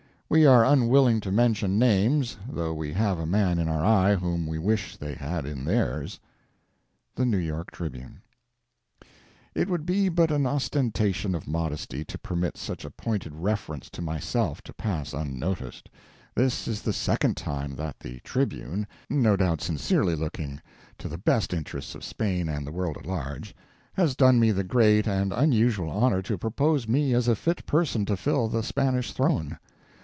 We are unwilling to mention names though we have a man in our eye whom we wish they had in theirs. New York Tribune. It would be but an ostentation of modesty to permit such a pointed reference to myself to pass unnoticed. This is the second time that 'The Tribune' (no doubt sincerely looking to the best interests of Spain and the world at large) has done me the great and unusual honour to propose me as a fit person to fill the Spanish throne.